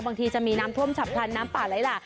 บางทีจะมีน้ำท่วมฉับพลันน้ำป่าไหลหลาก